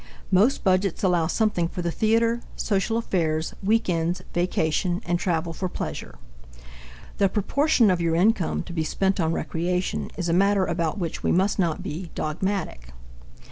Most budgets allow something for the theatre, social affairs, weekends, vacation, and travel for pleasure. The proportion of your income to be spent on recreation is a matter about which we must not be dogmatic.